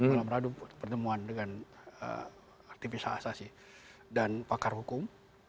malam rabu pertemuan dengan artifisat asasi dan pakar hukum